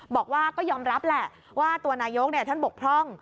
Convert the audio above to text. บอกว่าก็ยอมรับแหละว่าตัวนายกท่านบกพร่อง